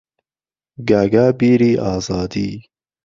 گاگا بیری ئازادی